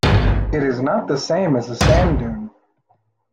It is not the same as a sand dune.